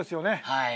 はい。